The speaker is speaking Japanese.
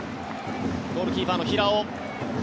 ゴールキーパーの平尾。